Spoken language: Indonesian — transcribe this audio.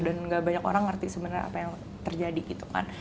dan gak banyak orang ngerti sebenarnya apa yang terjadi gitu kan